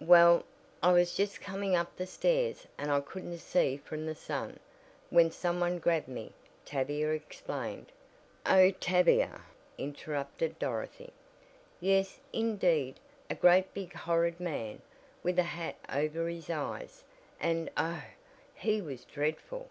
"Well, I was just coming up the stairs, and I couldn't see from the sun, when some one grabbed me," Tavia explained. "Oh, Tavia!" interrupted Dorothy. "Yes, indeed, a great big horrid man, with a hat over his eyes, and oh, he was dreadful!"